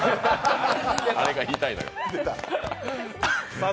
あれが言いたいのよ。